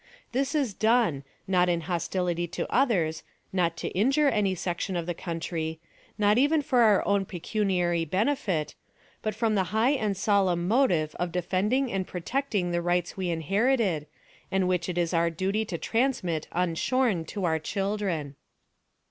This is done, not in hostility to others, not to injure any section of the country, not even for our own pecuniary benefit, but from the high and solemn motive of defending and protecting the rights we inherited, and which it is our duty to transmit unshorn to our children.